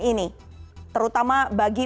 ini terutama bagi